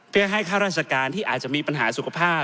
ได้ค่าราชการที่อาจจะมีปัญหาสุขภาพ